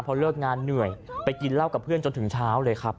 พอเลิกงานเหนื่อยไปกินเหล้ากับเพื่อนจนถึงเช้าเลยครับ